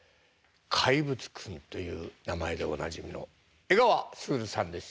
「怪物くん」という名前でおなじみの江川卓さんです。